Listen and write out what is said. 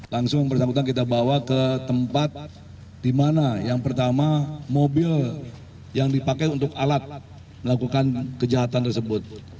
langsung bersangkutan kita bawa ke tempat di mana yang pertama mobil yang dipakai untuk alat melakukan kejahatan tersebut